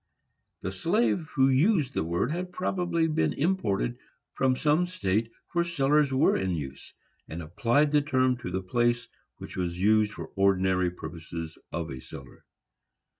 The slave who used the word had probably been imported from some state where cellars were in use, and applied the term to the place which was used for the ordinary purposes of a cellar.